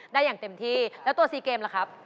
ได้อย่างเต็มที่แล้วตัวซีเกมล่ะครับ